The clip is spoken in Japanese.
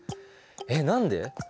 えっ何で？